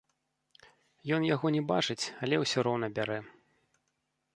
Ён яго не бачыць, але ўсё роўна бярэ.